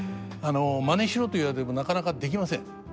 「まねしろ」と言われてもなかなかできません。